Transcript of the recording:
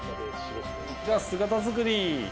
じゃあ姿造り。